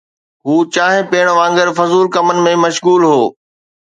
هو چانهه پيئڻ وانگر فضول ڪمن ۾ مشغول هو.